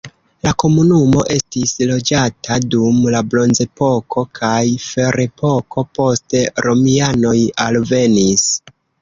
La komunumo estis loĝata dum la bronzepoko kaj ferepoko, poste romianoj alvenis.